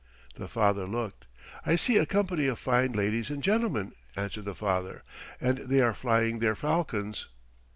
The father looked. "I see a company of fine ladies and gentlemen," answered the father, "and they are flying their falcons."